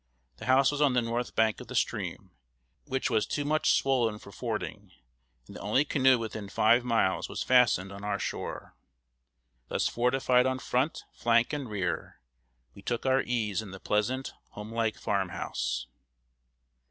The house was on the north bank of the stream, which was too much swollen for fording, and the only canoe within five miles was fastened on our shore. Thus fortified on front, flank, and rear, we took our ease in the pleasant, home like farmhouse.